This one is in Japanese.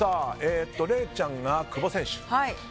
礼ちゃんが久保選手。